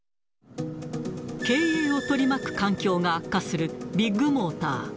経営を取り巻く環境が悪化するビッグモーター。